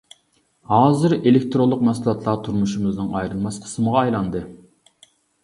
ھازىر ئېلېكتىرونلۇق مەھسۇلاتلار تۇرمۇشىمىزنىڭ ئايرىلماس قىسمىغا ئايلاندى.